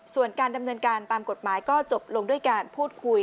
ส่วนการดำเนินการตามกฎหมายก็จบลงด้วยการพูดคุย